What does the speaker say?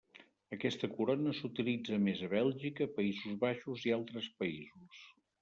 Aquesta corona s'utilitza més a Bèlgica, Països Baixos i altres països.